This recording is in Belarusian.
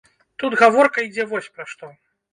Тут гаворка ідзе вось пра што.